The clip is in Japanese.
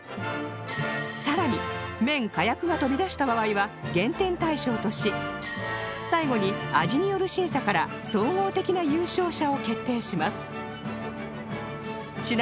さらに麺・カヤクが飛び出した場合は減点対象とし最後に味による審査から総合的な優勝者を決定します